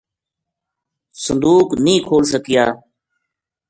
صندوق نیہہ کھول سکیا